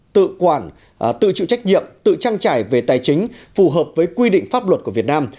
tự quản tự chịu trách nhiệm tự trang trải về tài chính phù hợp với quy định pháp luật của việt nam